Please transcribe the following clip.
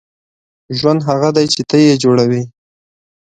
• ژوند هغه دی چې ته یې جوړوې.